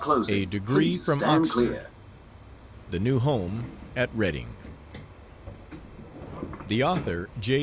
A DEGREE FROM OXFORD. THE NEW HOME AT REDDING. The author, J.